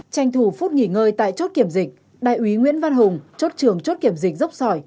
tranh thủ phút nghỉ ngơi tại chốt kiểm dịch đại úy nguyễn văn hùng chốt trường chốt kiểm dịch dốc sỏi